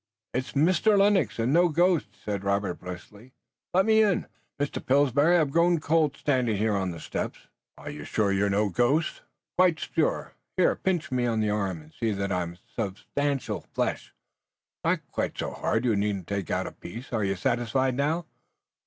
"It's Mr. Lennox and no ghost," said Robert briskly. "Let me in, Mr. Pillsbury. I've grown cold standing here on the steps." "Are you sure you're no ghost?" "Quite sure. Here pinch me on the arm and see that I'm substantial flesh. Not quite so hard! You needn't take out a piece. Are you satisfied now?"